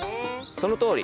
そのとおり！